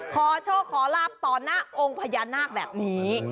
ขอโชคขอลาบต่อหน้าองค์พญานาคแบบนี้